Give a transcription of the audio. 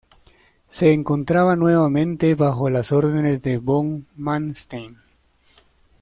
Se encontraba nuevamente bajo las órdenes de Von Manstein.